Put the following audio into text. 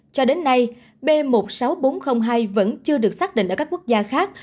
cho đến nay b một mươi sáu nghìn bốn trăm linh hai vẫn chưa được xác định ở các quốc gia khác